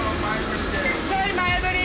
ちょい前ぶり！